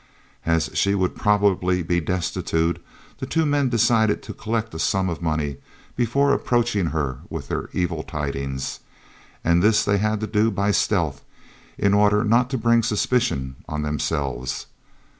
As she would probably be destitute, the two men decided to collect a sum of money before approaching her with their evil tidings, and this they had to do by stealth, in order not to bring suspicion on themselves.